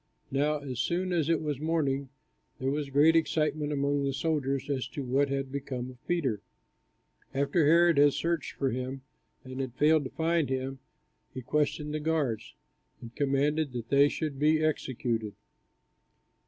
Now as soon as it was morning, there was great excitement among the soldiers, as to what had become of Peter. After Herod had searched for him, and had failed to find him, he questioned the guards, and commanded that they should be executed.